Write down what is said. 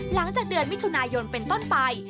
หลังจากเดือนมิถุนายนเป็นต้นไป